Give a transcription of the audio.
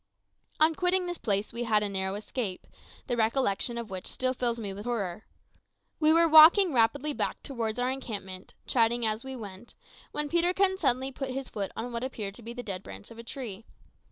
On quitting this place we had a narrow escape, the recollection of which still fills me with horror. We were walking rapidly back towards our encampment, chatting as we went, when Peterkin suddenly put his foot on what appeared to be the dead branch of a tree.